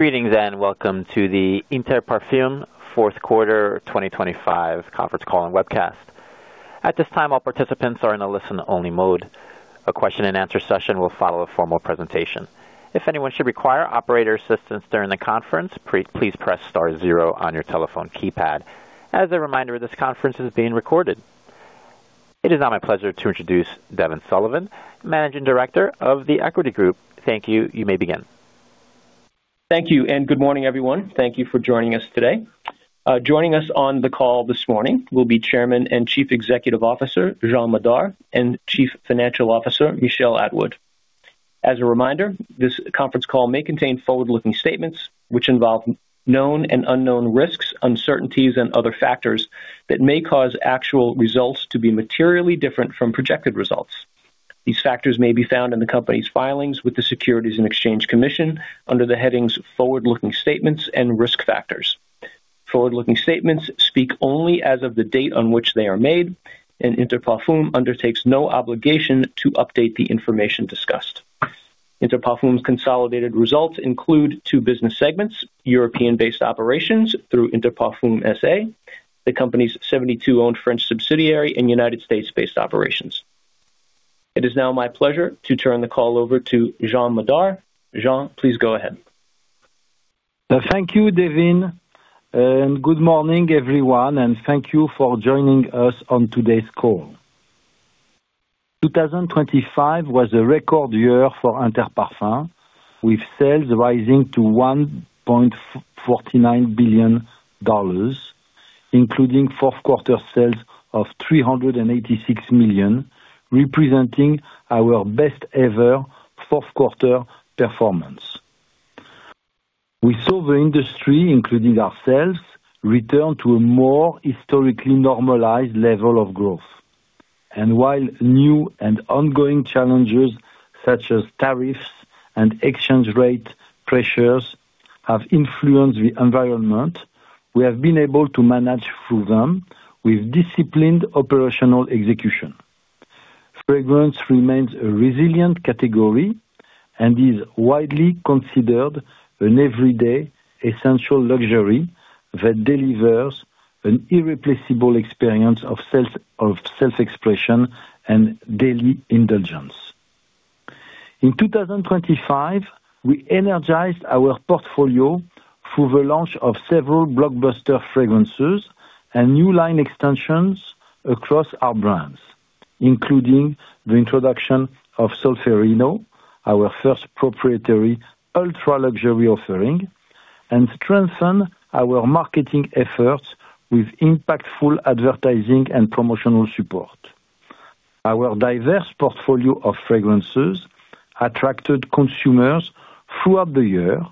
Greetings, welcome to the Inter Parfums Fourth Quarter 2025 Conference Call and webcast. At this time, all participants are in a listen-only mode. A question and answer session will follow a formal presentation. If anyone should require operator assistance during the conference, please press star zero on your telephone keypad. As a reminder, this conference is being recorded. It is now my pleasure to introduce Devin Sullivan, Managing Director of The Equity Group. Thank you. You may begin. Thank you, and good morning, everyone. Thank you for joining us today. Joining us on the call this morning will be Chairman and Chief Executive Officer, Jean Madar, and Chief Financial Officer, Michel Atwood. As a reminder, this conference call may contain forward-looking statements which involve known and unknown risks, uncertainties, and other factors that may cause actual results to be materially different from projected results. These factors may be found in the company's filings with the Securities and Exchange Commission under the headings "Forward-Looking Statements and Risk Factors." Forward-looking statements speak only as of the date on which they are made. Inter Parfums undertakes no obligation to update the information discussed. Inter Parfums' consolidated results include two business segments: European-based operations through Interparfums SA, the company's 72 owned French subsidiary and United States-based operations. It is now my pleasure to turn the call over to Jean Madar. Jean, please go ahead. Thank you, Devin. Good morning, everyone, thank you for joining us on today's call. 2025 was a record year for Inter Parfums, with sales rising to $1.49 billion, including fourth quarter sales of $386 million, representing our best ever fourth quarter performance. We saw the industry, including ourselves, return to a more historically normalized level of growth. While new and ongoing challenges, such as tariffs and exchange rate pressures, have influenced the environment, we have been able to manage through them with disciplined operational execution. Fragrance remains a resilient category and is widely considered an everyday essential luxury that delivers an irreplaceable experience of self, of self-expression and daily indulgence. In 2025, we energized our portfolio through the launch of several blockbuster fragrances and new line extensions across our brands, including the introduction of Solferino, our first proprietary ultra-luxury offering, and strengthen our marketing efforts with impactful advertising and promotional support. Our diverse portfolio of fragrances attracted consumers throughout the year,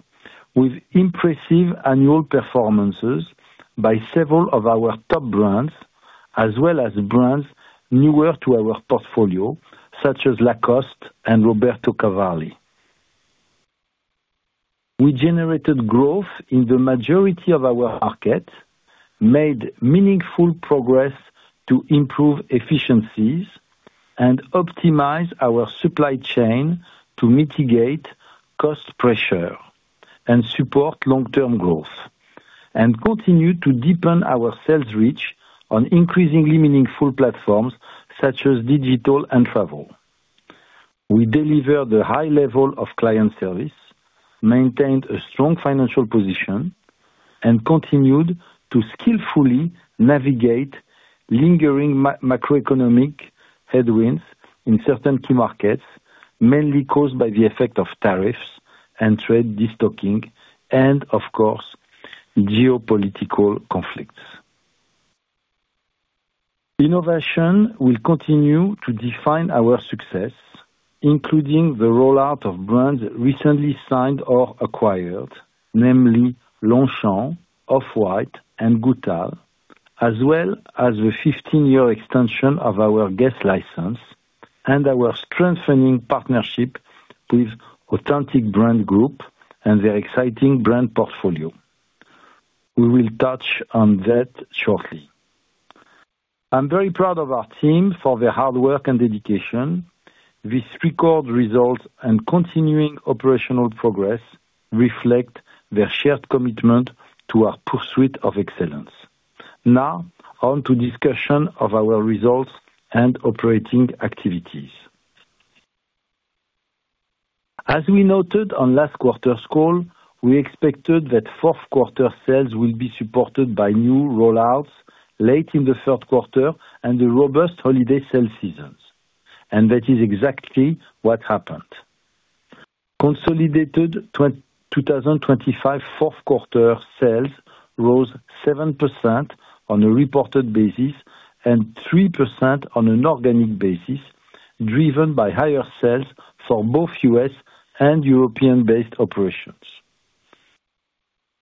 with impressive annual performances by several of our top brands, as well as brands newer to our portfolio, such as Lacoste and Roberto Cavalli. We generated growth in the majority of our markets, made meaningful progress to improve efficiencies, and optimize our supply chain to mitigate cost pressure and support long-term growth, and continue to deepen our sales reach on increasingly meaningful platforms such as digital and travel. We delivered a high level of client service, maintained a strong financial position, continued to skillfully navigate lingering macroeconomic headwinds in certain key markets, mainly caused by the effect of tariffs and trade destocking and, of course, geopolitical conflicts. Innovation will continue to define our success, including the rollout of brands recently signed or acquired, namely Longchamp, Off-White, and Goutal, as well as the 15-year extension of our GUESS license and our strengthening partnership with Authentic Brands Group and their exciting brand portfolio. We will touch on that shortly. I'm very proud of our team for their hard work and dedication. These record results and continuing operational progress reflect their shared commitment to our pursuit of excellence. On to discussion of our results and operating activities. As we noted on last quarter's call, we expected that fourth quarter sales will be supported by new rollouts late in the third quarter and the robust holiday sales seasons. That is exactly what happened. Consolidated 2025 fourth quarter sales rose 7% on a reported basis and 3% on an organic basis, driven by higher sales for both U.S. and European-based operations.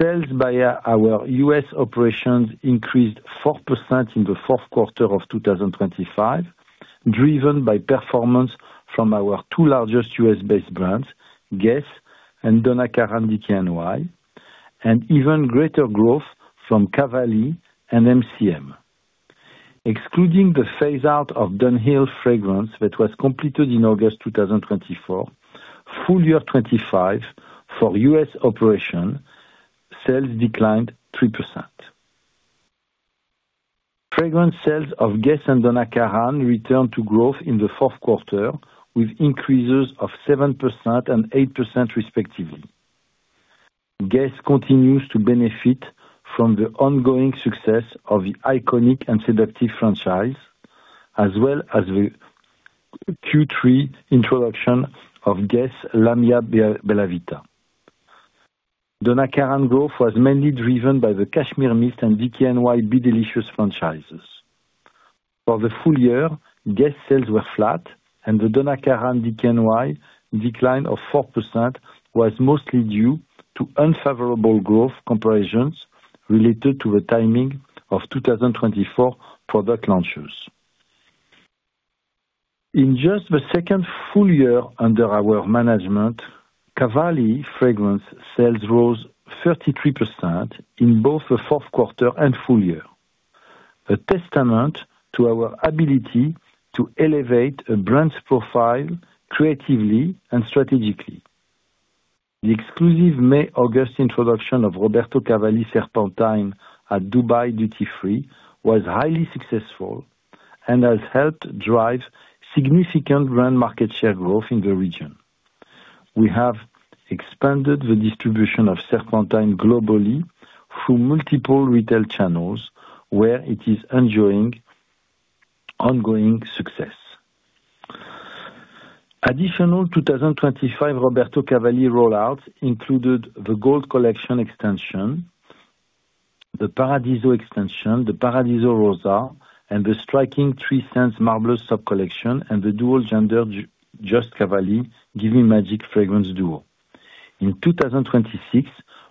Sales via our U.S. operations increased 4% in the fourth quarter of 2025, driven by performance from our two largest U.S. based brands, GUESS and Donna Karan Beauty NY, and even greater growth from Cavalli and MCM. excluding the phase out of Dunhill fragrance that was completed in August 2024, full year 25 for U.S. operation, sales declined 3%. Fragrance sales of GUESS and Donna Karan returned to growth in the fourth quarter, with increases of 7% and 8% respectively. GUESS continues to benefit from the ongoing success of the Iconic and Seductive franchise, as well as the Q3 introduction of GUESS La Mia Bella Vita. Donna Karan growth was mainly driven by the Cashmere Mist and DKNY Be Delicious franchises. For the full year, GUESS sales were flat, and the Donna Karan DKNY decline of 4% was mostly due to unfavorable growth comparisons related to the timing of 2024 product launches. In just the second full year under our management, Cavalli fragrance sales rose 33% in both the fourth quarter and full year, a testament to our ability to elevate a brand's profile creatively and strategically. The exclusive May-August introduction of Roberto Cavalli Serpentine at Dubai Duty Free was highly successful and has helped drive significant brand market share growth in the region. We have expanded the distribution of Serpentine globally through multiple retail channels, where it is enjoying ongoing success. Additional 2025 Roberto Cavalli rollouts included the Gold Collection extension, the Paradiso extension, the Paradiso Rosa, and the striking three scents marble sub collection, and the dual gender Just Cavalli Give Me Magic fragrance duo. In 2026,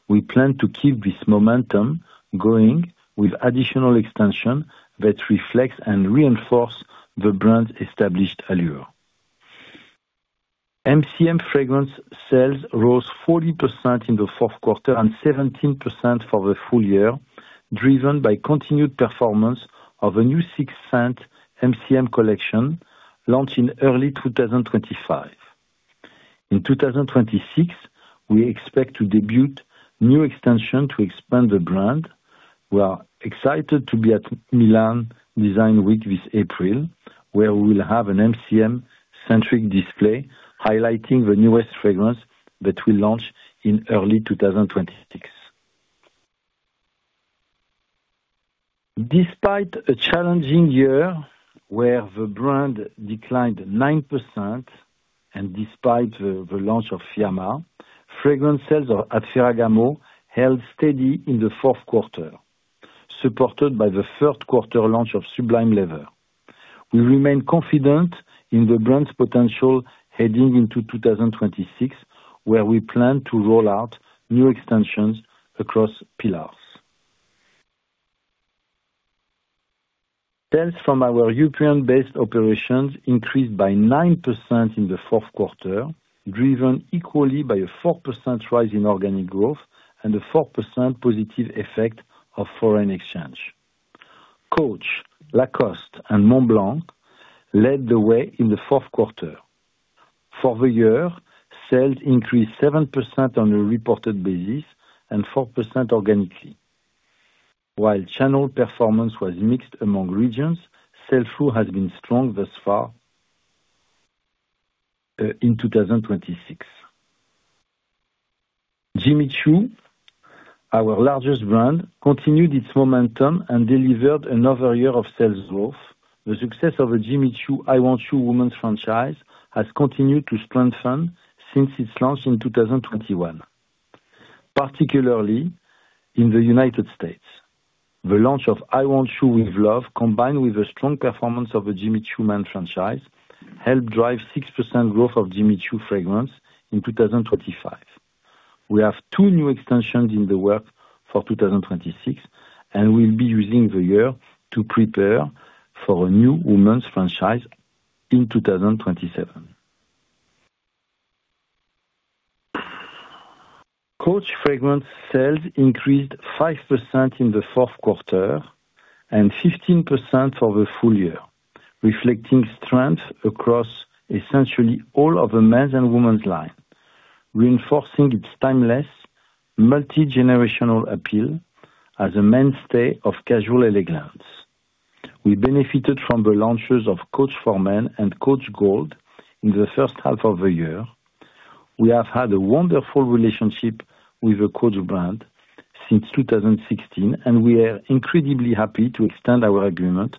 we plan to keep this momentum going with additional extension that reflects and reinforce the brand's established allure. MCM fragrance sales rose 40% in the fourth quarter and 17% for the full year, driven by continued performance of a new six scent MCM collection launched in early 2025. In 2026, we expect to debut new extension to expand the brand. We are excited to be at Milan Design Week this April, where we will have an MCM-centric display highlighting the newest fragrance that will launch in early 2026. Despite a challenging year where the brand declined 9%, despite the launch of Fiamma, fragrance sales at Ferragamo held steady in the fourth quarter, supported by the third quarter launch of Sublime Leather. We remain confident in the brand's potential heading into 2026, where we plan to roll out new extensions across pillars. Sales from our European-based operations increased by 9% in the fourth quarter, driven equally by a 4% rise in organic growth and a 4% positive effect of foreign exchange. Coach, Lacoste and Montblanc led the way in the fourth quarter. For the year, sales increased 7% on a reported basis and 4% organically. While channel performance was mixed among regions, sell-through has been strong thus far in 2026. Jimmy Choo, our largest brand, continued its momentum and delivered another year of sales growth. The success of the Jimmy Choo I Want Choo women's franchise has continued to strengthen since its launch in 2021, particularly in the United States. The launch of I Want Choo With Love, combined with the strong performance of the Jimmy Choo men franchise, helped drive 6% growth of Jimmy Choo fragrance in 2025. We have two new extensions in the work for 2026, and we'll be using the year to prepare for a new women's franchise in 2027. Coach fragrance sales increased 5% in the fourth quarter and 15% for the full year, reflecting strength across essentially all of the men's and women's line, reinforcing its timeless, multigenerational appeal as a mainstay of casual elegance. We benefited from the launches of Coach for Men and Coach Gold in the first half of the year. We have had a wonderful relationship with the Coach brand since 2016. We are incredibly happy to extend our agreement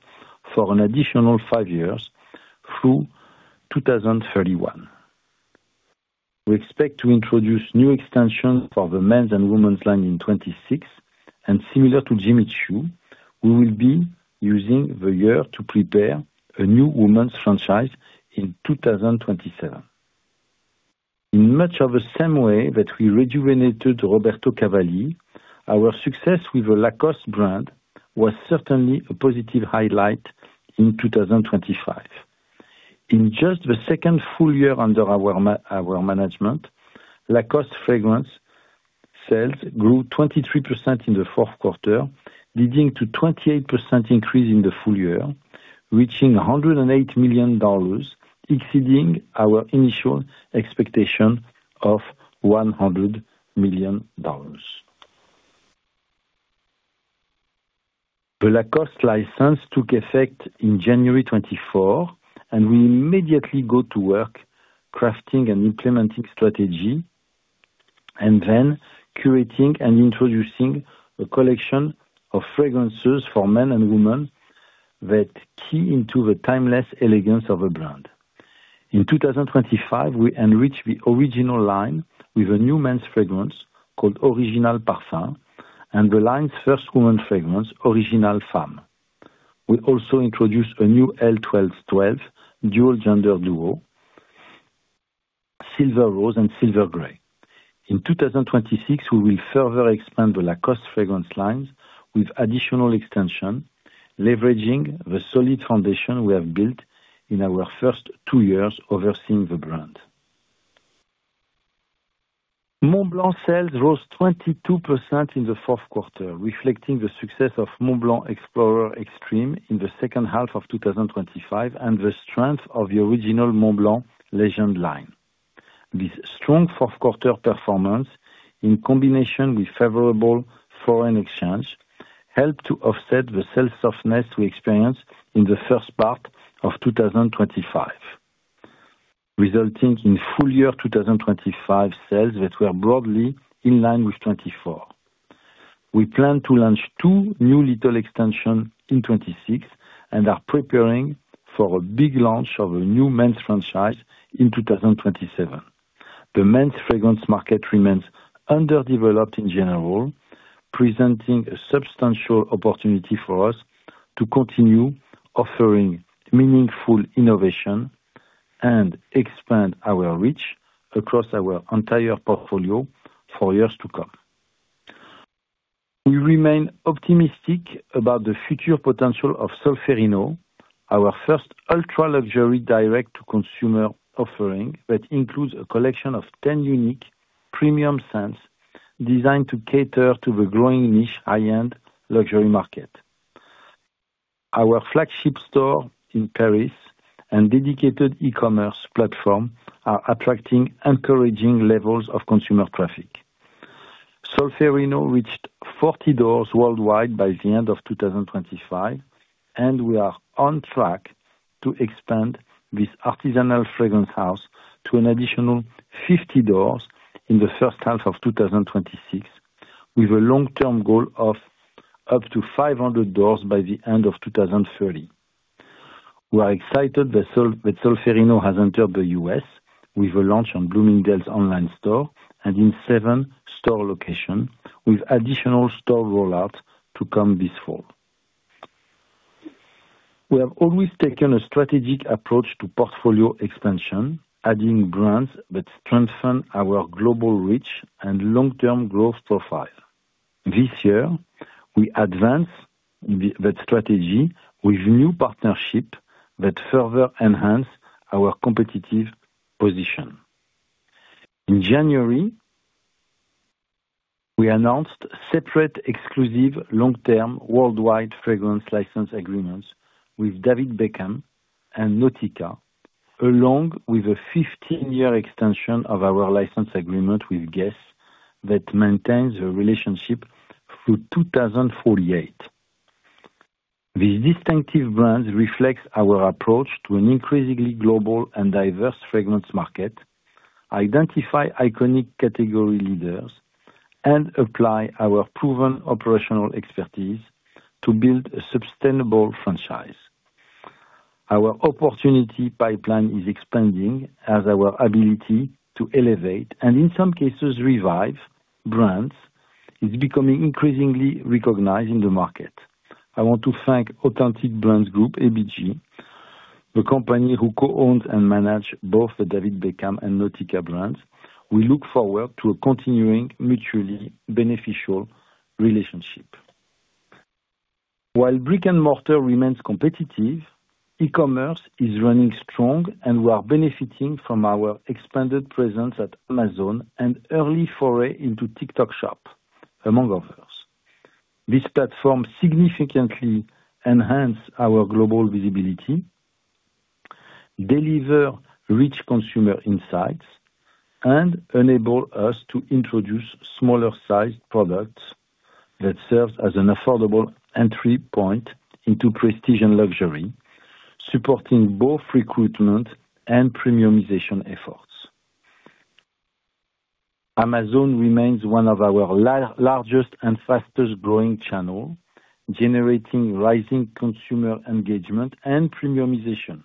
for an additional five years through 2031. We expect to introduce new extension for the men's and women's line in 2026. Similar to Jimmy Choo, we will be using the year to prepare a new women's franchise in 2027. In much of the same way that we rejuvenated Roberto Cavalli, our success with the Lacoste brand was certainly a positive highlight in 2025. In just the second full year under our management, Lacoste Sales grew 23% in the fourth quarter, leading to 28% increase in the full year, reaching $108 million, exceeding our initial expectation of $100 million. The Lacoste license took effect in January 2024, and we immediately go to work crafting and implementing strategy, and then curating and introducing a collection of fragrances for men and women that key into the timeless elegance of a brand. In 2025, we enrich the original line with a new men's fragrance called Original Parfum, and the line's first women fragrance, Original Femme. We also introduced a new L. 12 12 dual gender duo, Silver Rose and Silver Grey. In 2026, we will further expand the Lacoste fragrance lines with additional extension, leveraging the solid foundation we have built in our first two years overseeing the brand. Montblanc sales rose 22% in the fourth quarter, reflecting the success of Montblanc Explorer Extreme in the second half of 2025, and the strength of the original Montblanc Legend line. This strong fourth quarter performance, in combination with favorable foreign exchange, helped to offset the sales softness we experienced in the first part of 2025, resulting in full year 2025 sales that were broadly in line with 2024. We plan to launch two new little extension in 2026, and are preparing for a big launch of a new men's franchise in 2027. The men's fragrance market remains underdeveloped in general, presenting a substantial opportunity for us to continue offering meaningful innovation and expand our reach across our entire portfolio for years to come. We remain optimistic about the future potential of Solferino, our first ultra-luxury direct-to-consumer offering, that includes a collection of 10 unique premium scents designed to cater to the growing niche high-end luxury market. Our flagship store in Paris and dedicated e-commerce platform are attracting encouraging levels of consumer traffic. Solferino reached 40 doors worldwide by the end of 2025, and we are on track to expand this artisanal fragrance house to an additional 50 doors in the first half of 2026, with a long-term goal of up to 500 doors by the end of 2030. We are excited that Solferino has entered the U.S. with a launch on Bloomingdale's online store and in seven store locations, with additional store rollout to come this fall. We have always taken a strategic approach to portfolio expansion, adding brands that strengthen our global reach and long-term growth profile. This year, we advance that strategy with new partnership that further enhance our competitive position. In January, we announced separate, exclusive, long-term, worldwide fragrance license agreements with David Beckham and Nautica, along with a 15-year extension of our license agreement with GUESS, that maintains a relationship through 2048. These distinctive brands reflects our approach to an increasingly global and diverse fragrance market, identify iconic category leaders, and apply our proven operational expertise to build a sustainable franchise. Our opportunity pipeline is expanding as our ability to elevate, and in some cases revive brands, is becoming increasingly recognized in the market. I want to thank Authentic Brands Group, ABG, the company who co-owns and manage both the David Beckham and Nautica brands. We look forward to a continuing, mutually beneficial relationship. While brick-and-mortar remains competitive, e-commerce is running strong, and we are benefiting from our expanded presence at Amazon and early foray into TikTok Shop, among others. This platform significantly enhance our global visibility, deliver rich consumer insights, and enable us to introduce smaller sized products that serves as an affordable entry point into prestige and luxury, supporting both recruitment and premiumization efforts. Amazon remains one of our largest and fastest growing channel, generating rising consumer engagement and premiumization.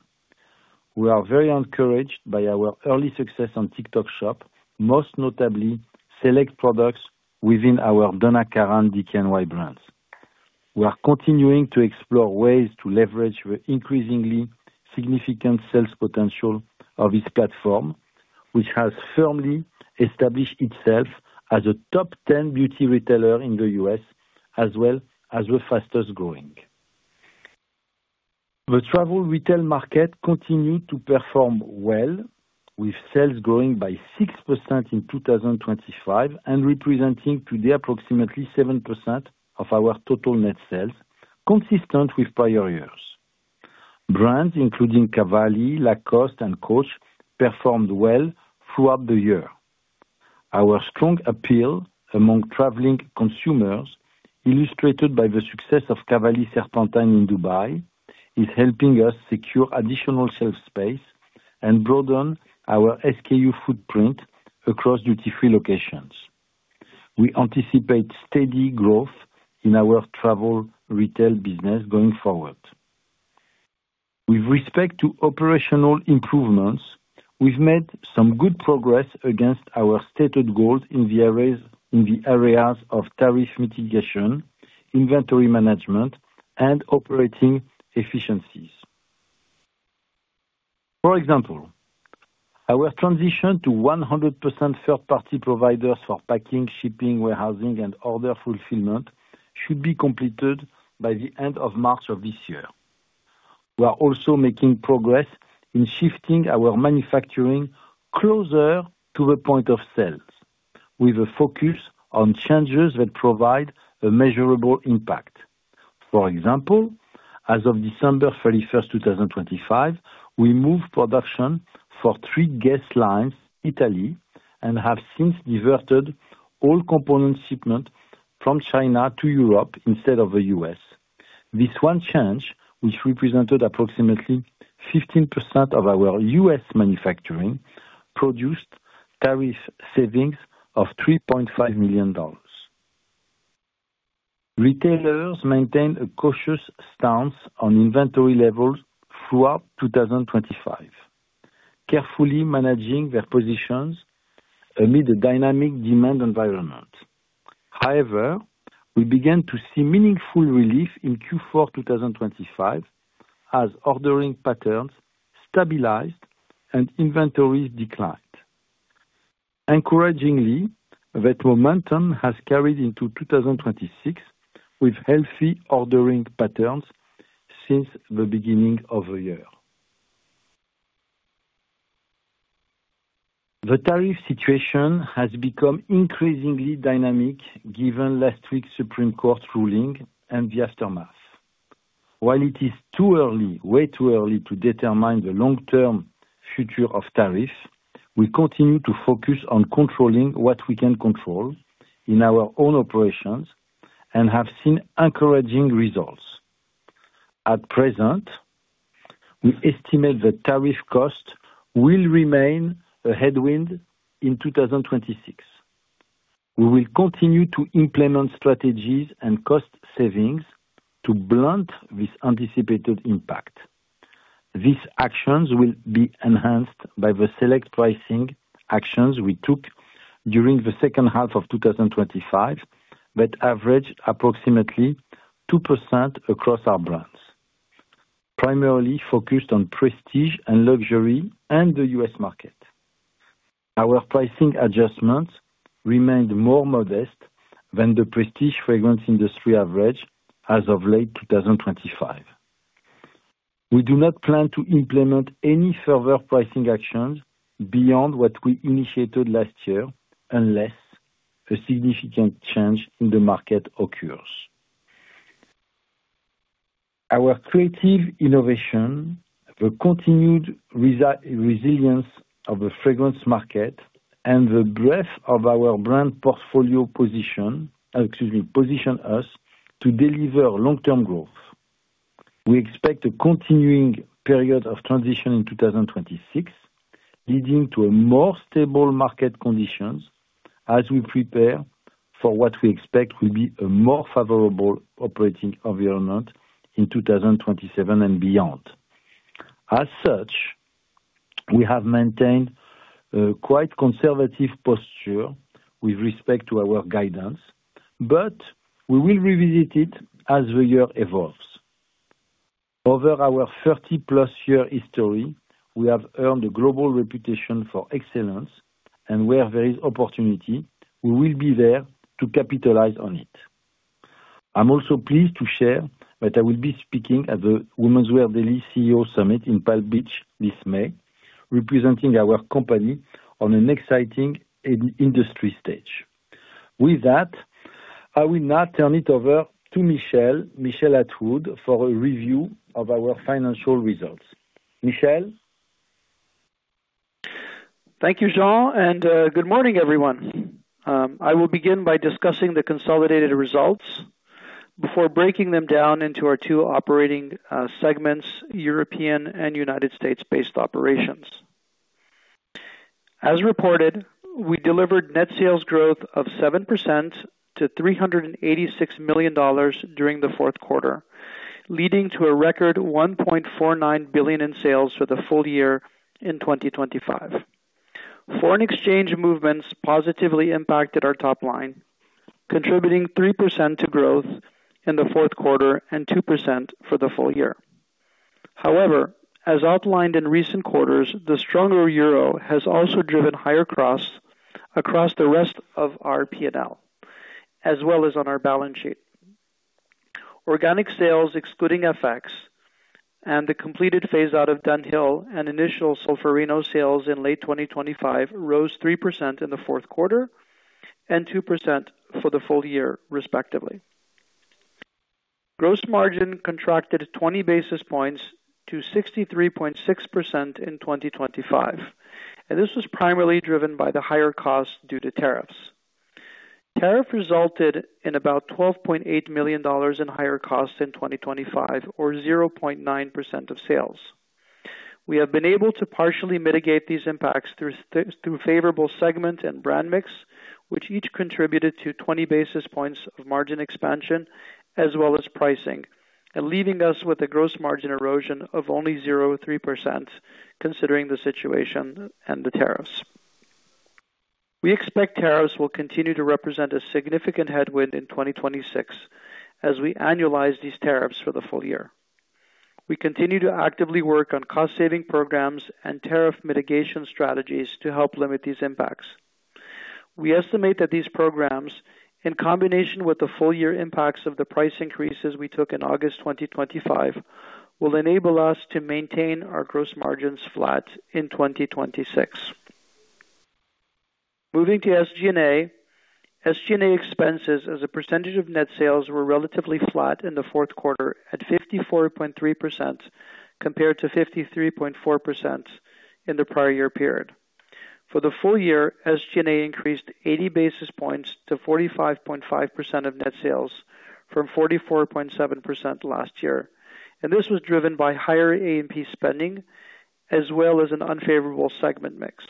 We are very encouraged by our early success on TikTok Shop, most notably select products within our Donna Karan DKNY brands. We are continuing to explore ways to leverage the increasingly significant sales potential of this platform, which has firmly established itself as a top 10 beauty retailer in the U.S., as well as the fastest growing. The travel retail market continued to perform well, with sales growing by 6% in 2025, and representing today approximately 7% of our total net sales, consistent with prior years. Brands including Cavalli, Lacoste, and Coach performed well throughout the year. Our strong appeal among traveling consumers, illustrated by the success of Cavalli Serpentine in Dubai, is helping us secure additional sales space and broaden our SKU footprint across duty-free locations. We anticipate steady growth in our travel retail business going forward. With respect to operational improvements, we've made some good progress against our stated goals in the areas of tariff mitigation, inventory management, and operating efficiencies. For example, our transition to 100% third-party providers for packing, shipping, warehousing, and order fulfillment should be completed by the end of March of this year. We are also making progress in shifting our manufacturing closer to the point of sales, with a focus on changes that provide a measurable impact. For example, as of December 31st, 2025, we moved production for three GUESS lines, Italy, and have since diverted all component shipment from China to Europe instead of the U.S. This one change, which represented approximately 15% of our U.S. manufacturing, produced tariff savings of $3.5 million. Retailers maintained a cautious stance on inventory levels throughout 2025, carefully managing their positions amid a dynamic demand environment. However, we began to see meaningful relief in Q4 2025, as ordering patterns stabilized and inventories declined. Encouragingly, that momentum has carried into 2026, with healthy ordering patterns since the beginning of the year. The tariff situation has become increasingly dynamic, given last week's Supreme Court ruling and the aftermath. While it is too early, way too early, to determine the long-term future of tariffs, we continue to focus on controlling what we can control in our own operations and have seen encouraging results. At present, we estimate the tariff cost will remain a headwind in 2026. We will continue to implement strategies and cost savings to blunt this anticipated impact. These actions will be enhanced by the select pricing actions we took during the second half of 2025, that averaged approximately 2% across our brands, primarily focused on prestige and luxury in the U.S. market. Our pricing adjustments remained more modest than the prestige fragrance industry average as of late 2025. We do not plan to implement any further pricing actions beyond what we initiated last year, unless a significant change in the market occurs. Our creative innovation, the continued resilience of the fragrance market, and the breadth of our brand portfolio position us to deliver long-term growth. We expect a continuing period of transition in 2026, leading to a more stable market conditions as we prepare for what we expect will be a more favorable operating environment in 2027 and beyond. We have maintained a quite conservative posture with respect to our guidance, but we will revisit it as the year evolves. Over our 30+ year history, we have earned a global reputation for excellence, and where there is opportunity, we will be there to capitalize on it. I'm also pleased to share that I will be speaking at the Women's Wear Daily CEO Summit in Palm Beach this May, representing our company on an exciting in, industry stage. I will now turn it over to Michel Atwood, for a review of our financial results. Michel? Thank you, Jean, good morning, everyone. I will begin by discussing the consolidated results before breaking them down into our two operating segments, European and United States-based operations. As reported, we delivered net sales growth of 7% to $386 million during the fourth quarter, leading to a record $1.49 billion in sales for the full year in 2025. Foreign exchange movements positively impacted our top line, contributing 3% to growth in the fourth quarter and 2% for the full year. As outlined in recent quarters, the stronger euro has also driven higher costs across the rest of our P&L as well as on our balance sheet. Organic sales, excluding FX and the completed phase-out of Dunhill and initial Solferino sales in late 2025, rose 3% in the fourth quarter and 2% for the full year, respectively. Gross margin contracted 20 basis points to 63.6% in 2025. This was primarily driven by the higher costs due to tariffs. Tariff resulted in about $12.8 million in higher costs in 2025, or 0.9% of sales. We have been able to partially mitigate these impacts through favorable segment and brand mix, which each contributed to 20 basis points of margin expansion, as well as pricing, and leaving us with a gross margin erosion of only 0.3%, considering the situation and the tariffs. We expect tariffs will continue to represent a significant headwind in 2026 as we annualize these tariffs for the full year. We continue to actively work on cost-saving programs and tariff mitigation strategies to help limit these impacts. We estimate that these programs, in combination with the full year impacts of the price increases we took in August 2025, will enable us to maintain our gross margins flat in 2026. Moving to SG&A. SG&A expenses as a percentage of net sales were relatively flat in the fourth quarter at 54.3%, compared to 53.4% in the prior year period. For the full year, SG&A increased 80 basis points to 45.5% of net sales from 44.7% last year. This was driven by higher A&P spending, as well as an unfavorable segment mix.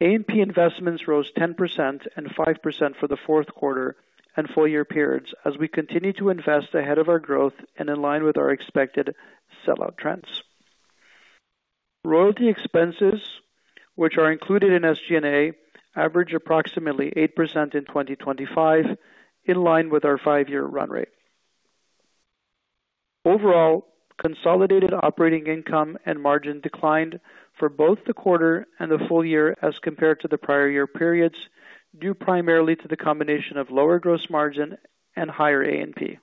A&P investments rose 10% and 5% for the fourth quarter and full year periods, as we continue to invest ahead of our growth and in line with our expected sell-out trends. Royalty expenses, which are included in SG&A, average approximately 8% in 2025, in line with our 5-year run rate. Overall, consolidated operating income and margin declined for both the quarter and the full year as compared to the prior year periods, due primarily to the combination of lower gross margin and higher A&P.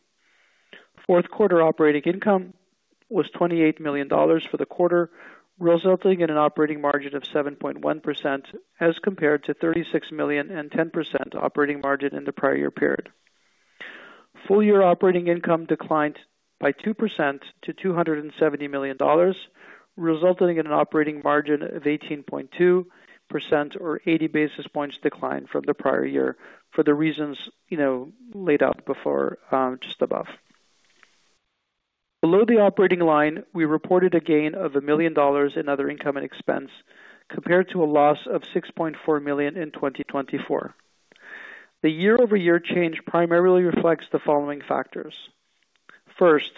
Fourth quarter operating income was $28 million for the quarter, resulting in an operating margin of 7.1%, as compared to $36 million and 10% operating margin in the prior year period. Full year operating income declined by 2% to $270 million, resulting in an operating margin of 18.2% or 80 basis points decline from the prior year for the reasons, you know, laid out before, just above. Below the operating line, we reported a gain of $1 million in other income and expense, compared to a loss of $6.4 million in 2024. The year-over-year change primarily reflects the following factors: First,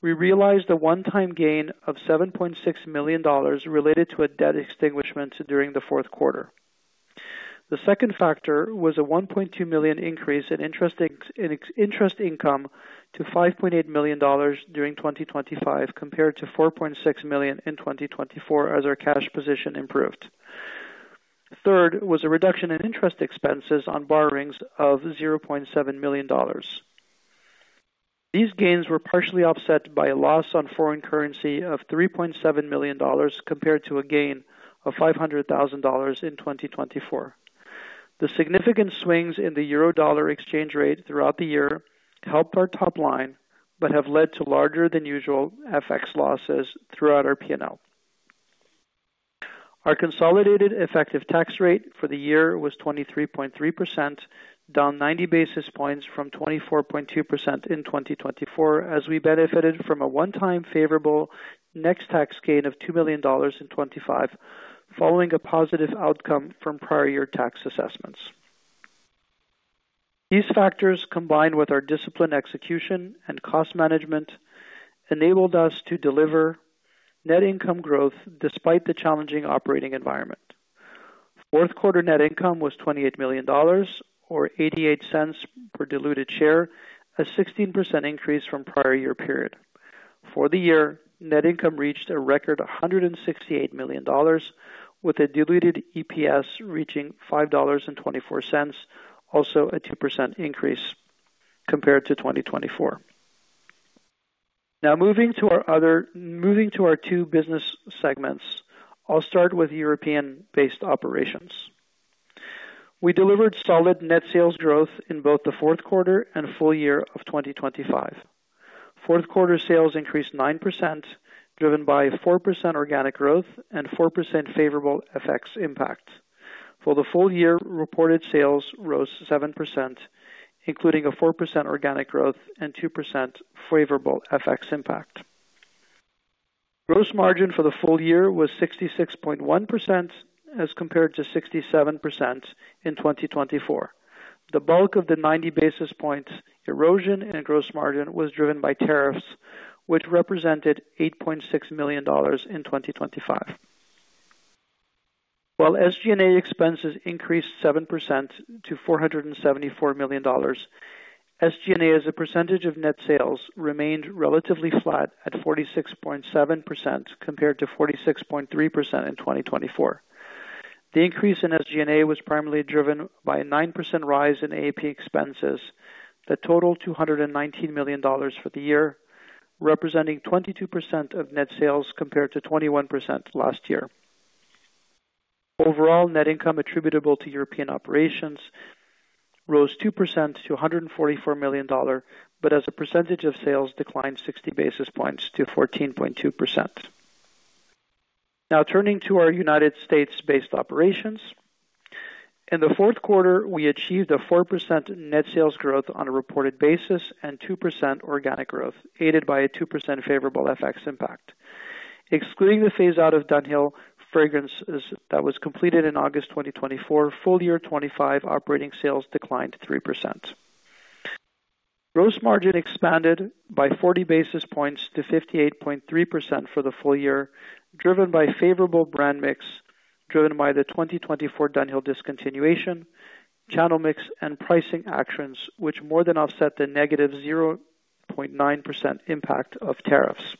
we realized a one-time gain of $7.6 million related to a debt extinguishment during the fourth quarter. The second factor was a $1.2 million increase in interest income to $5.8 million during 2025, compared to $4.6 million in 2024, as our cash position improved. Third, was a reduction in interest expenses on borrowings of $0.7 million. These gains were partially offset by a loss on foreign currency of $3.7 million, compared to a gain of $500,000 in 2024. The significant swings in the Euro-Dollar exchange rate throughout the year helped our top line, but have led to larger than usual FX losses throughout our P&L. Our consolidated effective tax rate for the year was 23.3%, down 90 basis points from 24.2% in 2024, as we benefited from a one-time favorable net tax gain of $2 million in 2025, following a positive outcome from prior year tax assessments. These factors, combined with our disciplined execution and cost management, enabled us to deliver net income growth despite the challenging operating environment. Fourth quarter net income was $28 million or $0.88 per diluted share, a 16% increase from prior year period. For the year, net income reached a record, $168 million, with a diluted EPS reaching $5.24, also a 2% increase compared to 2024. Moving to our two business segments. I'll start with European-based operations. We delivered solid net sales growth in both the fourth quarter and full year of 2025. Fourth quarter sales increased 9%, driven by a 4% organic growth and 4% favorable FX impact. For the full year, reported sales rose 7%, including a 4% organic growth and 2% favorable FX impact. Gross margin for the full year was 66.1%, as compared to 67% in 2024. The bulk of the 90 basis points erosion in gross margin was driven by tariffs, which represented $8.6 million in 2025. While SG&A expenses increased 7% to $474 million, SG&A as a percentage of net sales remained relatively flat at 46.7%, compared to 46.3% in 2024. The increase in SG&A was primarily driven by a 9% rise in A&P expenses, that total $219 million for the year, representing 22% of net sales, compared to 21% last year. Overall, net income attributable to European operations rose 2% to $144 million dollar, but as a percentage of sales, declined 60 basis points to 14.2%. Turning to our United States-based operations. In the fourth quarter, we achieved a 4% net sales growth on a reported basis and 2% organic growth, aided by a 2% favorable FX impact. Excluding the phase out of Dunhill fragrances that was completed in August 2024, full year 2025 operating sales declined 3%. Gross margin expanded by 40 basis points to 58.3% for the full year, driven by favorable brand mix, driven by the 2024 Dunhill discontinuation, channel mix and pricing actions, which more than offset the -0.9% impact of tariffs.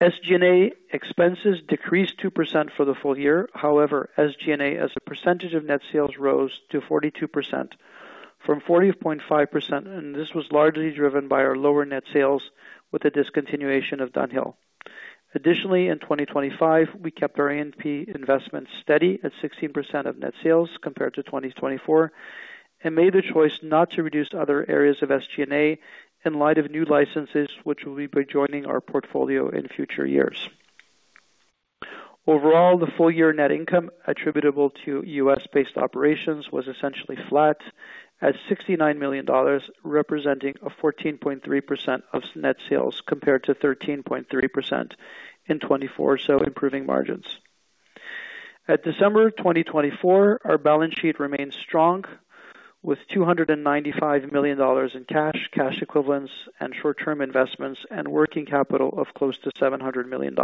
SG&A expenses decreased 2% for the full year. SG&A, as a percentage of net sales, rose to 42% from 40.5%, and this was largely driven by our lower net sales with the discontinuation of Dunhill. Additionally, in 2025, we kept our A&P investment steady at 16% of net sales compared to 2024, and made the choice not to reduce other areas of SG&A in light of new licenses, which will be joining our portfolio in future years. Overall, the full year net income attributable to U.S.-based operations was essentially flat at $69 million, representing a 14.3% of net sales, compared to 13.3% in 2024, so improving margins. At December 2024, our balance sheet remained strong, with $295 million in cash equivalents, and short-term investments, and working capital of close to $700 million.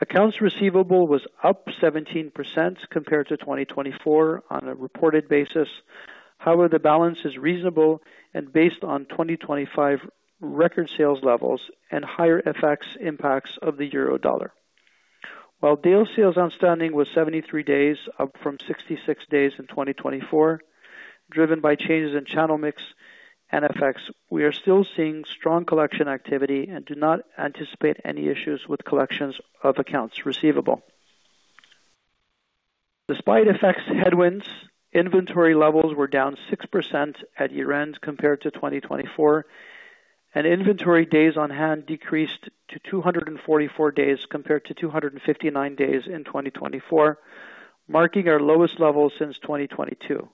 Accounts receivable was up 17% compared to 2024 on a reported basis. However, the balance is reasonable and based on 2025 record sales levels and higher effects, impacts of the euro dollar. While day sales outstanding was 73 days, up from 66 days in 2024, driven by changes in channel mix and FX, we are still seeing strong collection activity and do not anticipate any issues with collections of accounts receivable. Despite FX headwinds, inventory levels were down 6% at year-end compared to 2024, and inventory days on hand decreased to 244 days, compared to 259 days in 2024, marking our lowest level since 2022.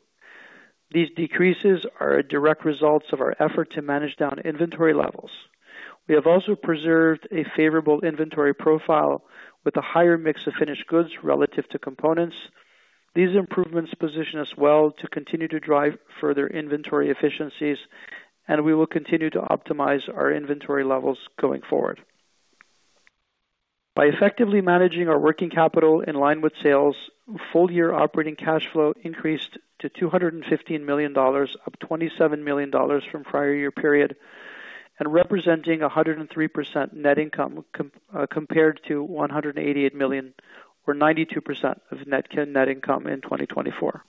These decreases are a direct result of our effort to manage down inventory levels. We have also preserved a favorable inventory profile with a higher mix of finished goods relative to components. These improvements position us well to continue to drive further inventory efficiencies, and we will continue to optimize our inventory levels going forward. By effectively managing our working capital in line with sales, full year operating cash flow increased to $215 million, up $27 million from prior year period, and representing 103% net income, compared to $188 million, or 92% of net income in 2024.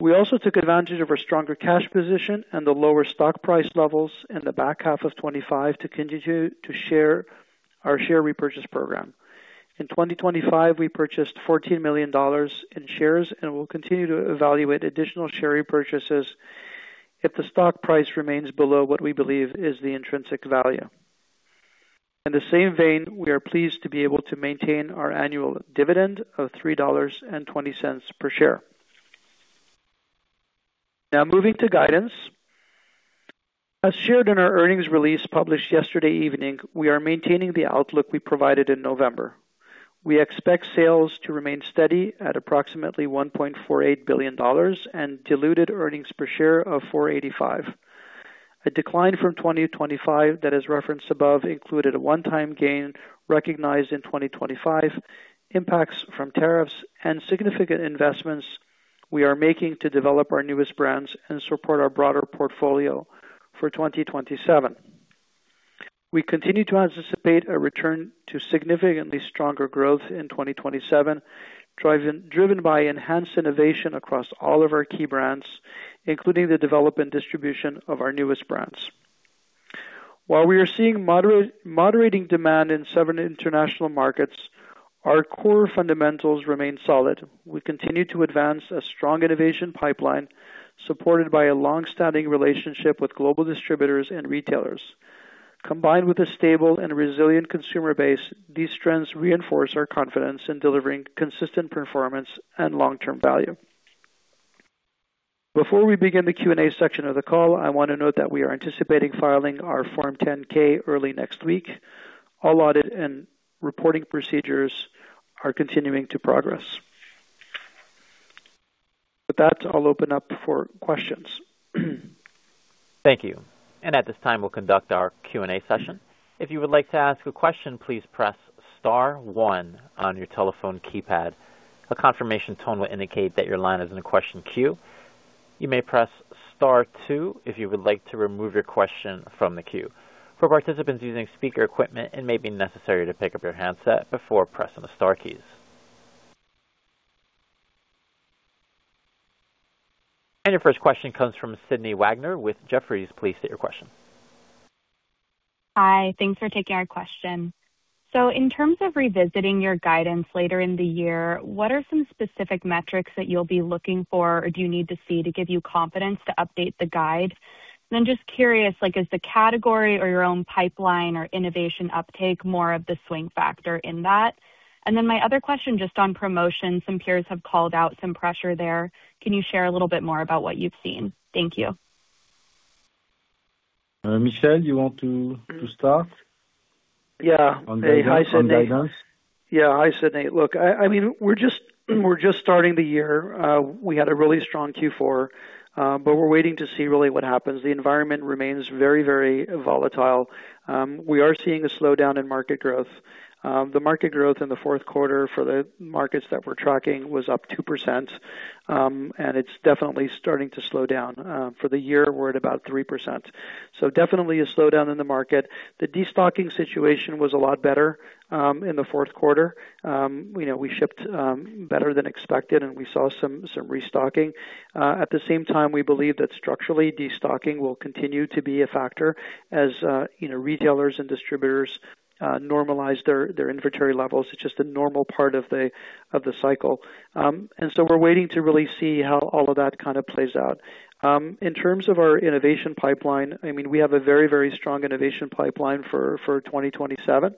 We also took advantage of our stronger cash position and the lower stock price levels in the back half of 2025 to continue to share our share repurchase program. In 2025, we purchased $14 million in shares and will continue to evaluate additional share repurchases if the stock price remains below what we believe is the intrinsic value. In the same vein, we are pleased to be able to maintain our annual dividend of $3.20 per share. Now, moving to guidance. As shared in our earnings release, published yesterday evening, we are maintaining the outlook we provided in November. We expect sales to remain steady at approximately $1.48 billion and diluted earnings per share of $4.85. A decline from 2025 that is referenced above included a one-time gain recognized in 2025, impacts from tariffs and significant investments we are making to develop our newest brands and support our broader portfolio for 2027. We continue to anticipate a return to significantly stronger growth in 2027, driven by enhanced innovation across all of our key brands, including the development, distribution of our newest brands. While we are seeing moderating demand in several international markets, our core fundamentals remain solid. We continue to advance a strong innovation pipeline, supported by a long-standing relationship with global distributors and retailers. Combined with a stable and resilient consumer base, these trends reinforce our confidence in delivering consistent performance and long-term value. Before we begin the Q&A section of the call, I want to note that we are anticipating filing our Form 10-K early next week. All audit and reporting procedures are continuing to progress. I'll open up for questions. Thank you. At this time, we'll conduct our Q&A session. If you would like to ask a question, please press star one on your telephone keypad. A confirmation tone will indicate that your line is in the question queue. You may press star two if you would like to remove your question from the queue. For participants using speaker equipment, it may be necessary to pick up your handset before pressing the star keys. Your first question comes from Sydney Wagner with Jefferies. Please state your question. Hi, thanks for taking our question. In terms of revisiting your guidance later in the year, what are some specific metrics that you'll be looking for or do you need to see to give you confidence to update the guide? Just curious, like, is the category or your own pipeline or innovation uptake more of the swing factor in that? My other question, just on promotion, some peers have called out some pressure there. Can you share a little bit more about what you've seen? Thank you. Michel, you want to start? Yeah. On guidance. Yeah. Hi, Sydney. I mean, we're just starting the year. We had a really strong Q4, we're waiting to see really what happens. The environment remains very, very volatile. We are seeing a slowdown in market growth. The market growth in the fourth quarter for the markets that we're tracking was up 2%, it's definitely starting to slow down. For the year, we're at about 3%. Definitely a slowdown in the market. The destocking situation was a lot better in the fourth quarter. You know, we shipped better than expected, we saw some restocking. At the same time, we believe that structurally, destocking will continue to be a factor as, you know, retailers and distributors normalize their inventory levels. It's just a normal part of the, of the cycle. We're waiting to really see how all of that kind of plays out. In terms of our innovation pipeline, I mean, we have a very, very strong innovation pipeline for 2027.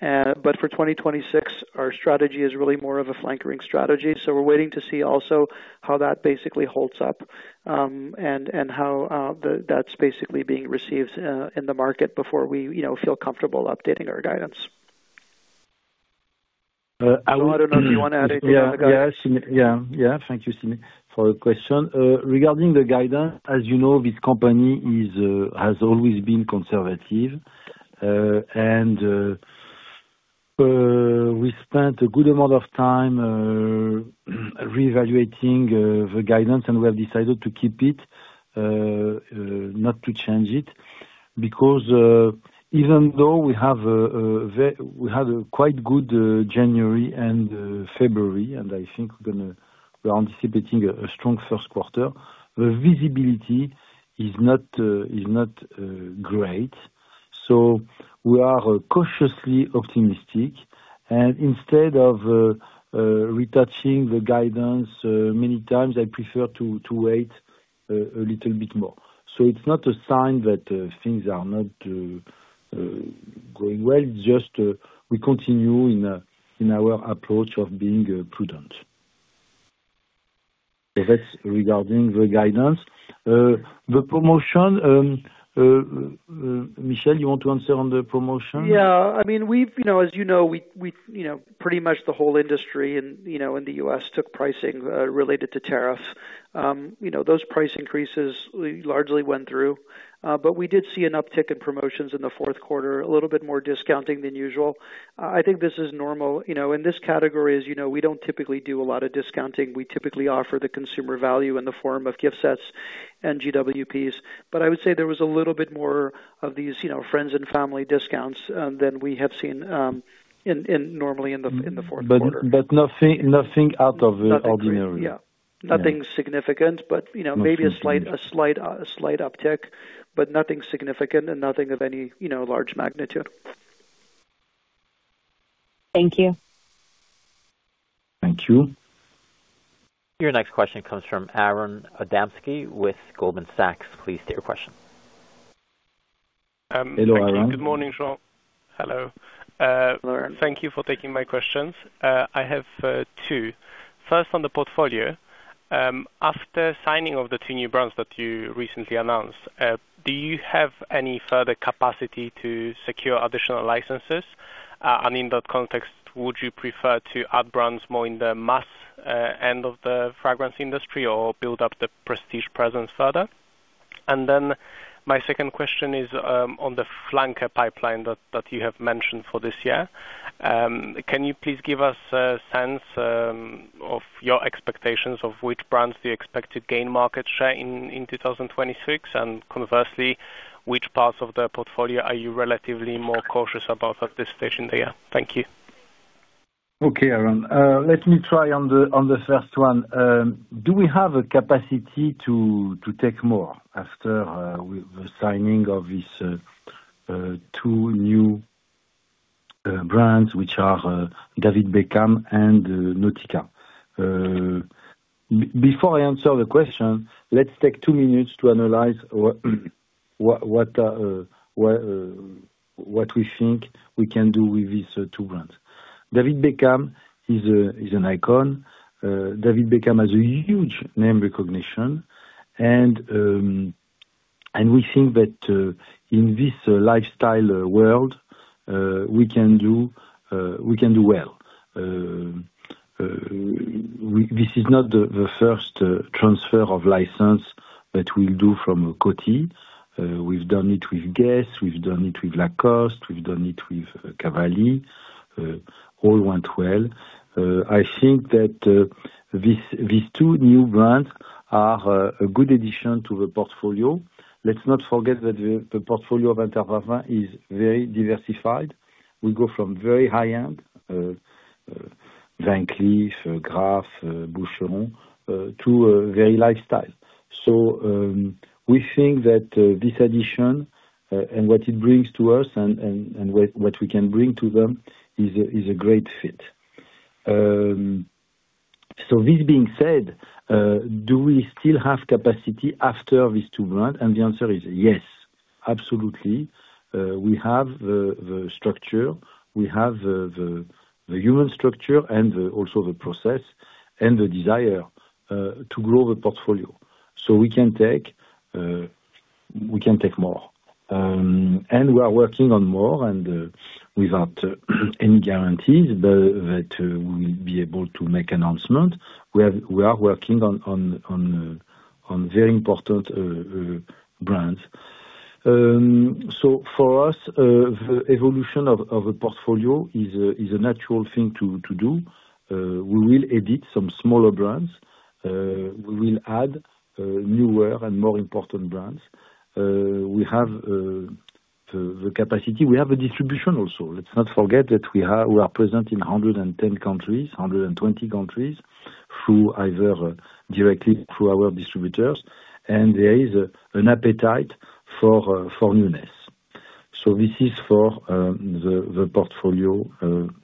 For 2026, our strategy is really more of a flankering strategy, so we're waiting to see also how that basically holds up and how that's basically being received in the market before we, you know, feel comfortable updating our guidance. I don't know if you want to add anything on the guidance. Yeah. Thank you, Sydney, for the question. Regarding the guidance, as you know, this company has always been conservative. We spent a good amount of time reevaluating the guidance, and we have decided to keep it not to change it. Even though we had a quite good January and February, and I think we are anticipating a strong first quarter, the visibility is not great. We are cautiously optimistic, and instead of retouching the guidance many times, I prefer to wait a little bit more. It's not a sign that things are not going well, just we continue in our approach of being prudent. That's regarding the guidance. The promotion, Michel, you want to answer on the promotion? Yeah. I mean, we've, you know, as you know, we, you know, pretty much the whole industry and, you know, in the U.S., took pricing related to tariff. You know, those price increases largely went through, but we did see an uptick in promotions in the fourth quarter, a little bit more discounting than usual. I think this is normal. You know, in this category, as you know, we don't typically do a lot of discounting. We typically offer the consumer value in the form of gift sets and GWPs. I would say there was a little bit more of these, you know, friends and family discounts than we have seen in normally in the fourth quarter. Nothing out of the ordinary? Yeah. Yeah. Nothing significant, but, you know. Nothing. maybe a slight uptick, but nothing significant and nothing of any, you know, large magnitude. Thank you. Thank you. Your next question comes from Aron Adamski with Goldman Sachs. Please state your question. Hello, Aron. Good morning, Jean. Hello. Aron. Thank you for taking my questions. I have two. First, on the portfolio, after signing of the two new brands that you recently announced, do you have any further capacity to secure additional licenses? In that context, would you prefer to add brands more in the mass end of the fragrance industry or build up the prestige presence further? My second question is on the flanker pipeline that you have mentioned for this year. Can you please give us a sense of your expectations of which brands do you expect to gain market share in 2026? Conversely, which parts of the portfolio are you relatively more cautious about at this stage in the year? Thank you. Okay, Aron. Let me try on the first one. Do we have a capacity to take more after with the signing of this two new brands, which are David Beckham and Nautica? Before I answer the question, let's take two minutes to analyze what we think we can do with these two brands. David Beckham is an icon. David Beckham has a huge name recognition. We think that in this lifestyle world, we can do, we can do well. We, this is not the first transfer of license that we'll do from Coty. We've done it with GUESS, we've done it with Lacoste, we've done it with Cavalli. All went well. I think that these two new brands are a good addition to the portfolio. Let's not forget that the portfolio of Inter Parfums is very diversified. We go from very high-end, Van Cleef, Graff, Boucheron, to very lifestyle. We think that this addition, and what it brings to us and what we can bring to them is a great fit. This being said, do we still have capacity after these two brands? The answer is yes, absolutely. We have the structure, we have the human structure, and also the process and the desire to grow the portfolio. We can take, we can take more. We are working on more, without any guarantees, but we'll be able to make announcement. We are working on very important brands. For us, the evolution of a portfolio is a natural thing to do. We will edit some smaller brands. We will add newer and more important brands. We have the capacity. We have a distribution also. Let's not forget that we are present in 110 countries, 120 countries, through either directly through our distributors, and there is an appetite for newness. This is for the portfolio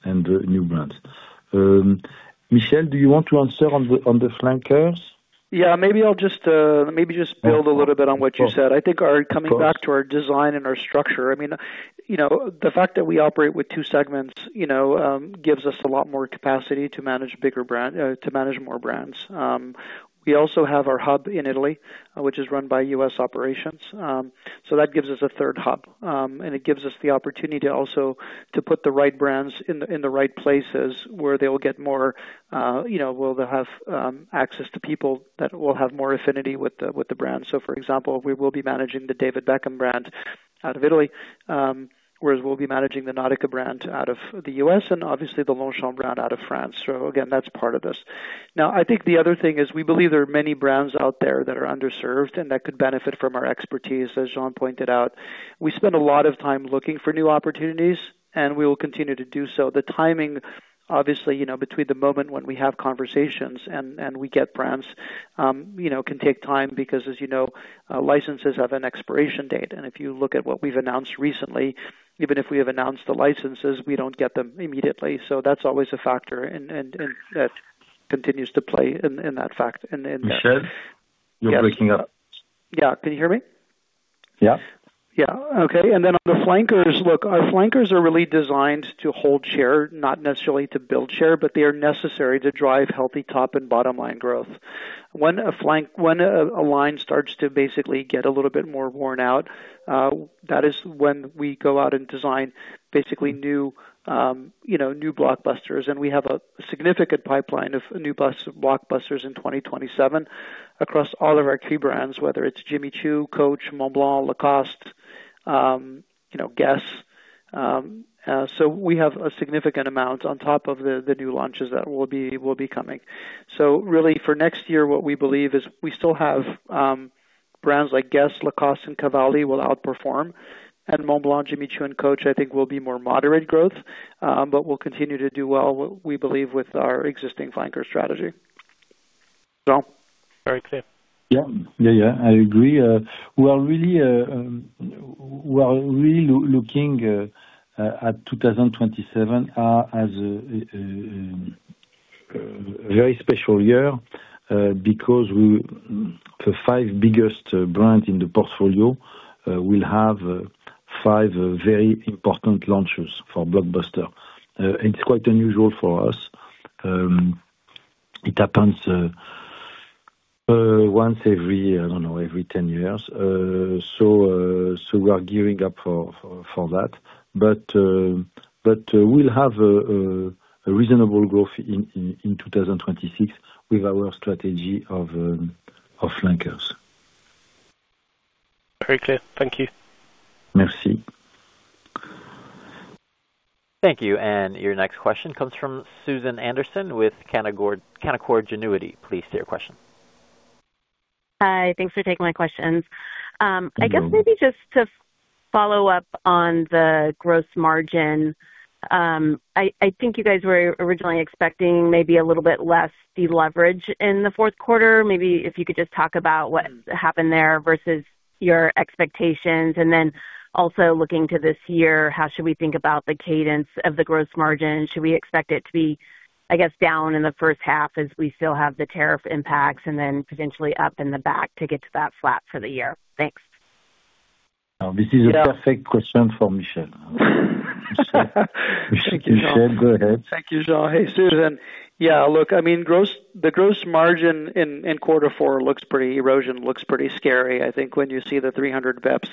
and the new brands. Michel, do you want to answer on the flankers? Yeah, maybe I'll just build a little bit on what you said. Of course. I think coming back to our design and our structure, I mean, you know, the fact that we operate with two segments, you know, gives us a lot more capacity to manage more brands. We also have our hub in Italy, which is run by U.S. operations. That gives us a third hub. It gives us the opportunity to put the right brands in the right places, where they will get more, you know, where they'll have access to people that will have more affinity with the brand. For example, we will be managing the David Beckham brand out of Italy, whereas we'll be managing the Nautica brand out of the U.S., obviously the Longchamp brand out of France. Again, that's part of this. I think the other thing is, we believe there are many brands out there that are underserved and that could benefit from our expertise, as Jean pointed out. We spend a lot of time looking for new opportunities, and we will continue to do so. The timing, obviously, you know, between the moment when we have conversations and we get brands, you know, can take time, because as you know, licenses have an expiration date. If you look at what we've announced recently, even if we have announced the licenses, we don't get them immediately. That's always a factor and that continues to play in that fact. Michel, you're breaking up. Yeah. Can you hear me? Yeah. Yeah. Okay, on the flankers, look, our flankers are really designed to hold share, not necessarily to build share, but they are necessary to drive healthy top and bottom line growth. When a line starts to basically get a little bit more worn out, that is when we go out and design basically new, you know, new blockbusters. We have a significant pipeline of new blockbusters in 2027 across all of our key brands, whether it's Jimmy Choo, Coach, Montblanc, Lacoste, you know, GUESS. We have a significant amount on top of the new launches that will be, will be coming. Really, for next year, what we believe is we still have brands like GUESS, Lacoste and Cavalli will outperform. Montblanc, Jimmy Choo and Coach, I think will be more moderate growth, but will continue to do well, we believe, with our existing flanker strategy. Jean? Very clear. Yeah. Yeah, yeah, I agree. We are really looking at 2027 as a very special year because we, the five biggest brands in the portfolio, will have five very important launches for blockbuster. It's quite unusual for us. It happens once every, I don't know, every 10 years. We are gearing up for that. We'll have a reasonable growth in 2026 with our strategy of flankers. Very clear. Thank you. Merci. Thank you, and your next question comes from Susan Anderson with Canaccord Genuity. Please state your question. Hi, thanks for taking my questions. Mm-hmm. I guess maybe just to follow up on the gross margin. I think you guys were originally expecting maybe a little bit less deleverage in the fourth quarter. Maybe if you could just talk about what happened there versus your expectations. Also looking to this year, how should we think about the cadence of the gross margin? Should we expect it to be, I guess, down in the first half, as we still have the tariff impacts, and then potentially up in the back to get to that flat for the year? Thanks. This is a perfect question for Michel. Michel, go ahead. Thank you, Jean. Hey, Susan. Yeah, look, I mean, the gross margin in quarter four looks pretty erosion, looks pretty scary, I think, when you see the 300 BPS.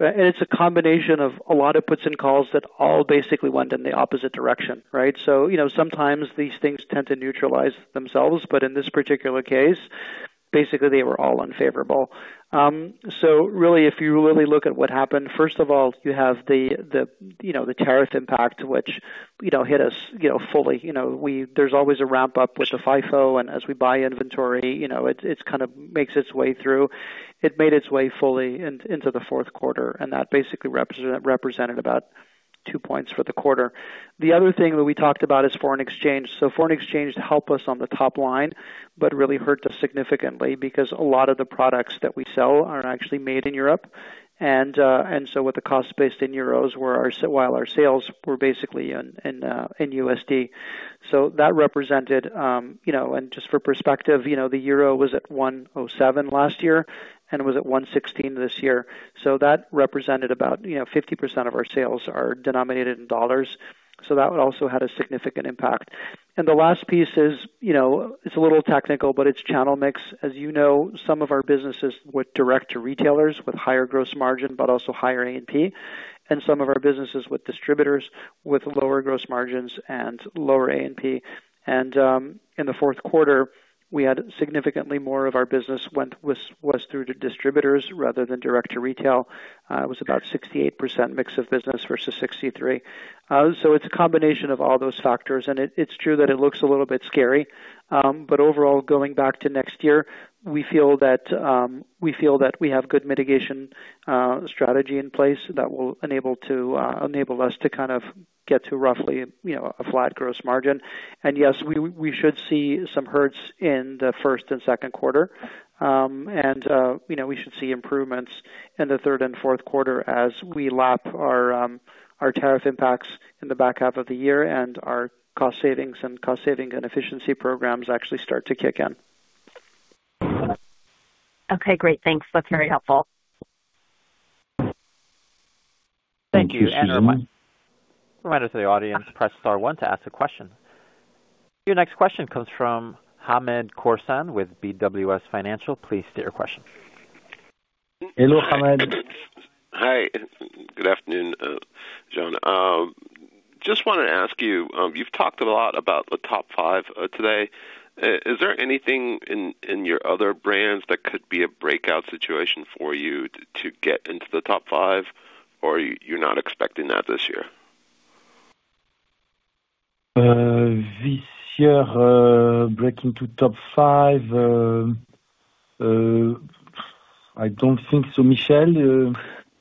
It's a combination of a lot of puts and calls that all basically went in the opposite direction, right? You know, sometimes these things tend to neutralize themselves, but in this particular case, basically they were all unfavorable. Really, if you really look at what happened, first of all, you have the, you know, the tariff impact, which, you know, hit us, you know, fully. You know, there's always a ramp up with the FIFO, as we buy inventory, you know, it's kind of makes its way through. It made its way fully into the fourth quarter, that basically represented about two points for the quarter. The other thing that we talked about is foreign exchange. Foreign exchange helped us on the top line, but really hurt us significantly, because a lot of the products that we sell are actually made in Europe. With the cost based in euros, while our sales were basically in USD. That represented, you know, and just for perspective, you know, the euro was at 1.07 last year, and it was at 1.16 this year. That represented about, you know, 50% of our sales are denominated in dollars, so that also had a significant impact. The last piece is, you know, it's a little technical, but it's channel mix. As you know, some of our businesses with direct to retailers, with higher gross margin, but also higher A&P, and some of our businesses with distributors, with lower gross margins and lower A&P. In the fourth quarter, we had significantly more of our business was through to distributors rather than direct to retail. It was about 68% mix of business versus 63%. It's a combination of all those factors, and it's true that it looks a little bit scary. Overall, going back to next year, we feel that we feel that we have good mitigation strategy in place that will enable us to kind of get to roughly, you know, a flat gross margin. Yes, we should see some hurts in the first and second quarter. You know, we should see improvements in the third and fourth quarter as we lap our tariff impacts in the back half of the year, and our cost saving and efficiency programs actually start to kick in. Okay, great. Thanks. That's very helpful. Thank you. Thank you. Reminder to the audience, press star one to ask a question. Your next question comes from Hamed Khorsand with BWS Financial. Please state your question. Hello, Hamed. Hi, good afternoon, Jean. Just wanted to ask you've talked a lot about the top five today. Is there anything in your other brands that could be a breakout situation for you to get into the top five, or you're not expecting that this year? This year, breaking to top five, I don't think so. Michel.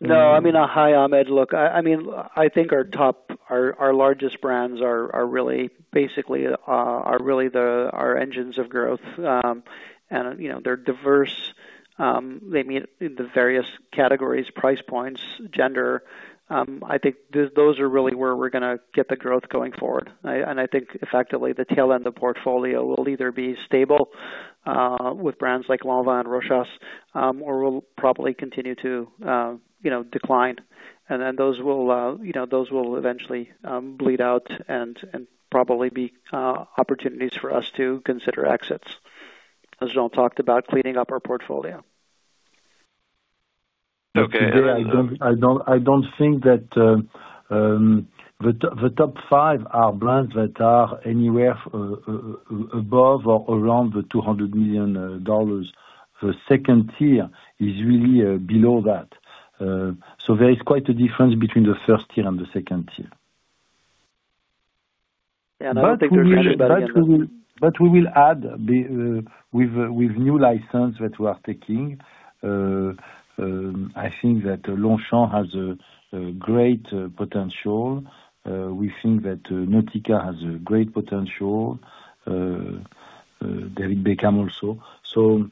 No, I mean. Hi, Hamed. Look, I mean, I think our top, our largest brands are really basically, are really the, our engines of growth. You know, they're diverse, they meet in the various categories, price points, gender. I think those are really where we're gonna get the growth going forward. I think effectively, the tail end of portfolio will either be stable, with brands like Lanvin and Rochas, or will probably continue to, you know, decline. Then those will, you know, those will eventually, bleed out and probably be opportunities for us to consider exits, as Jean talked about cleaning up our portfolio. Okay. I don't think that the top five are brands that are anywhere above or around $200 million. The second tier is really below that. There is quite a difference between the first tier and the second tier. I would take. We will add with new license that we are taking. I think that Longchamp has a great potential. We think that Nautica has a great potential, David Beckham also.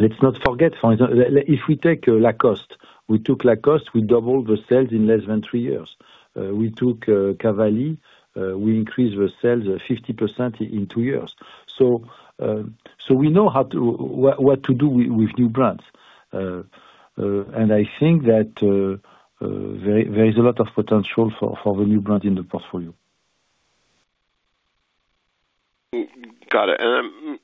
Let's not forget, if we take Lacoste, we took Lacoste, we doubled the sales in less than three years. We took Cavalli, we increased the sales 50% in two years. We know how to do with new brands. I think that there is a lot of potential for the new brand in the portfolio. Got it.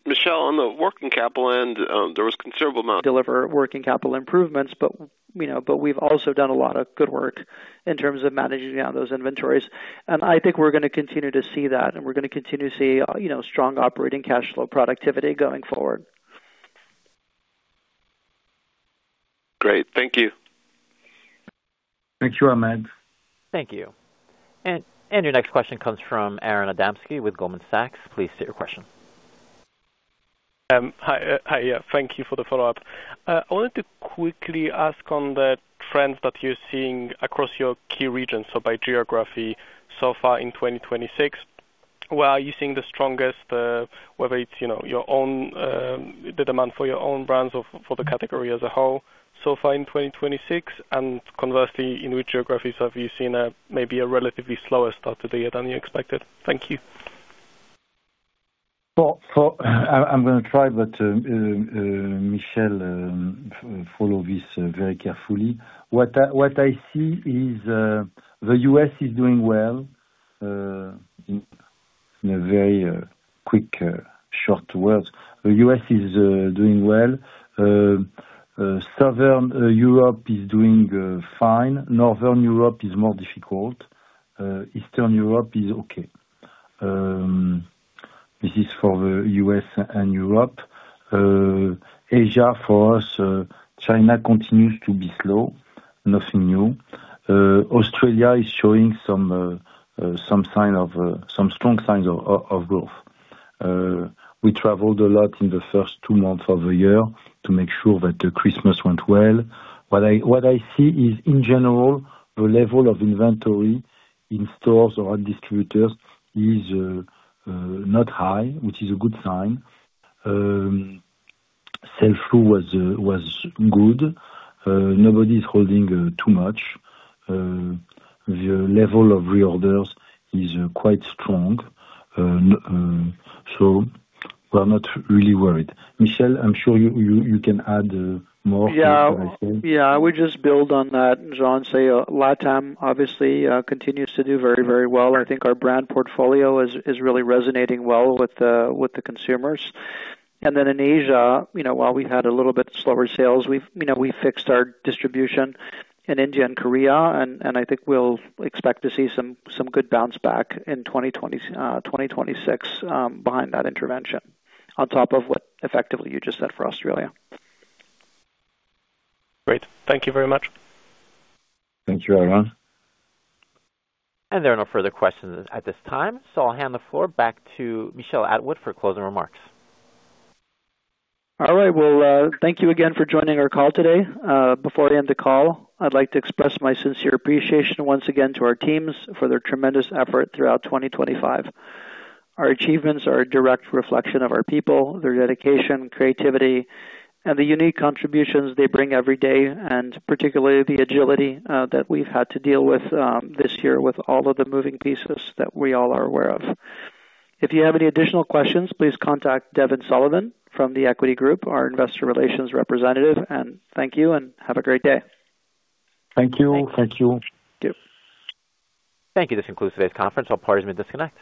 Michel, on the working capital end, there was considerable amount. Deliver working capital improvements, you know, but we've also done a lot of good work in terms of managing down those inventories. I think we're going to continue to see that, and we're going to continue to see, you know, strong operating cash flow productivity going forward. Great. Thank you. Thank you, Hamed. Thank you. Your next question comes from Aron Adamski with Goldman Sachs. Please state your question. Hi, thank you for the follow-up. I wanted to quickly ask on the trends that you're seeing across your key regions, so by geography so far in 2026, where are you seeing the strongest, whether it's, you know, your own, the demand for your own brands or for the category as a whole so far in 2026? Conversely, in which geographies have you seen a relatively slower start to the year than you expected? Thank you. I'm gonna try, but Michel, follow this very carefully. What I see is the U.S. is doing well in a very quick, short words. The U.S. is doing well. Southern Europe is doing fine. Northern Europe is more difficult. Eastern Europe is okay. This is for the U.S. and Europe. Asia, for us, China continues to be slow, nothing new. Australia is showing some sign of some strong signs of growth. We traveled a lot in the first two months of the year to make sure that Christmas went well. What I see is, in general, the level of inventory in stores or distributors is not high, which is a good sign. Sell-through was good. Nobody is holding too much. The level of reorders is quite strong. We're not really worried. Michel, I'm sure you can add more to what I said. Yeah, I would just build on that, Jean, say Latam, obviously, continues to do very, very well. I think our brand portfolio is really resonating well with the consumers. Then in Asia, you know, while we had a little bit slower sales, we've, you know, we fixed our distribution in India and Korea, and I think we'll expect to see some good bounce back in 2026, behind that intervention, on top of what effectively you just said for Australia. Great. Thank you very much. Thank you, Aron. There are no further questions at this time, so I'll hand the floor back to Michel Atwood for closing remarks. All right. Well, thank you again for joining our call today. Before I end the call, I'd like to express my sincere appreciation once again to our teams for their tremendous effort throughout 2025. Our achievements are a direct reflection of our people, their dedication, creativity, and the unique contributions they bring every day, and particularly the agility that we've had to deal with this year, with all of the moving pieces that we all are aware of. If you have any additional questions, please contact Devin Sullivan from The Equity Group, our investor relations representative, and thank you, and have a great day. Thank you. Thank you. Thank you. This concludes today's conference. All parties may disconnect.